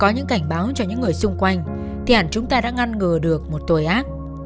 những người xung quanh thì hẳn chúng ta đã ngăn ngừa được một tội ác